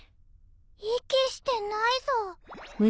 息してないさ。